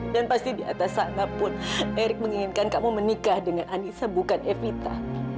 dan pasti di atas sana pun erik menginginkan kamu menikah dengan anissa bukan evita